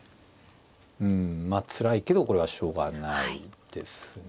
うんまあつらいけどこれはしょうがないですね。